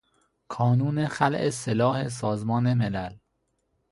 کانون خلع سلاح سازمان ملل